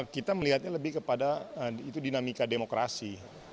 kita melihatnya lebih kepada itu dinamika demokrasi